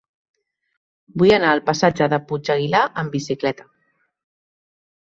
Vull anar al passatge del Puig Aguilar amb bicicleta.